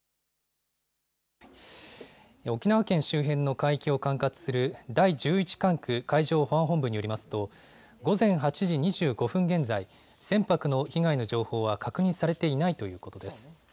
沖縄県周辺の海域を管轄する、第１１管区海上保安本部によりますと、午前８時２５分現在、船舶の被害の情報は確認されていないということです。